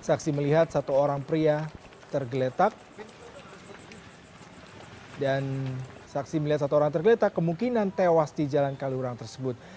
saksi melihat satu orang pria tergeletak dan saksi melihat satu orang tergeletak kemungkinan tewas di jalan kaliurang tersebut